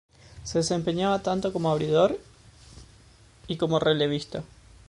Se desempeñaba tanto como abridor y como relevista.